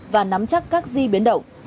và nắm chắc các di biến động